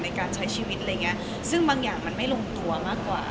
ในการใช้ชีวิตอะไรอย่างเงี้ยซึ่งบางอย่างมันไม่ลงตัวมากกว่า